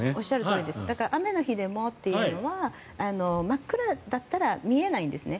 だから雨の日でもというのは真っ暗だったら見えないんですね。